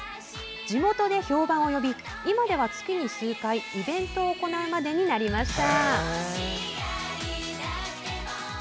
地元で評判を呼び今では月に数回イベントを行うまでになりました。